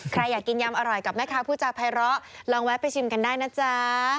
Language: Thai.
ใครอยากกินยำอร่อยกับแม่ค้าผู้จาภัยเลาะลองแวะไปชิมกันได้นะจ๊ะ